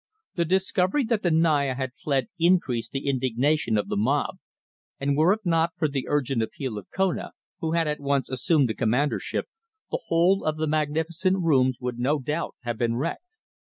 The discovery that the Naya had fled increased the indignation of the mob, and were it not for the urgent appeal of Kona, who had at once assumed the commandership, the whole of the magnificent rooms would no doubt have been wrecked.